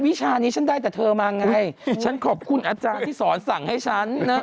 วิชานี้ฉันได้แต่เธอมาไงฉันขอบคุณอาจารย์ที่สอนสั่งให้ฉันนะ